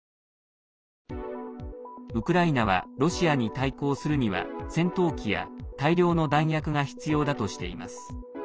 ウクライナはロシアに対抗するには戦闘機や大量の弾薬が必要だとしています。